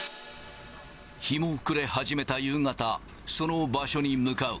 日も暮れ始めた夕方、その場所に向かう。